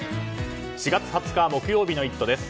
４月２０日木曜日の「イット！」です。